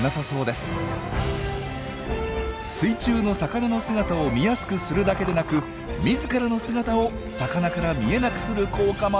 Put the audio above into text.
水中の魚の姿を見やすくするだけでなく自らの姿を魚から見えなくする効果まであったとは！